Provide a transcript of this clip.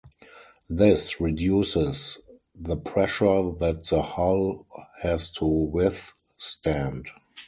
This reduces the pressure that the hull has to withstand.